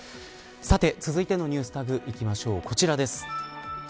さて、続いてのＮｅｗｓＴａｇいきましょう、こちらです。